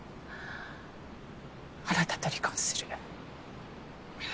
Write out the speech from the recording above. あなたと離婚する。